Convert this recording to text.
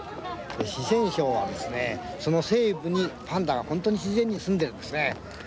四川省は、パンダが本当に自然にすんでいるんですね。